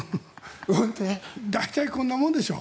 大体こんなもんでしょ。